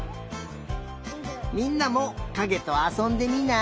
みんなもかげとあそんでみない？